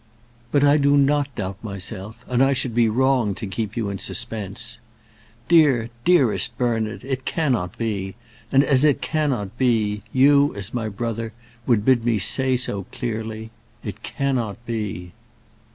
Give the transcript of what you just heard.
But I do not doubt myself, and I should be wrong to keep you in suspense. Dear, dearest Bernard, it cannot be; and as it cannot be, you, as my brother, would bid me say so clearly. It cannot be."